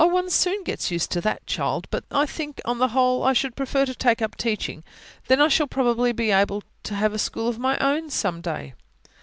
"Oh, one soon gets used to that, child. But I think, on the whole, I should prefer to take up teaching. Then I shall probably be able to have a school of my own some day."